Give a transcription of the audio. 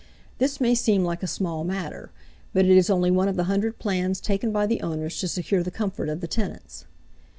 This may seem like a small matter, but it is only one of the hundred plans taken by the owners to secure the comfort of the tenants.